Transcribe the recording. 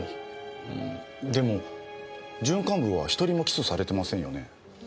でも準幹部は１人も起訴されてませんよね。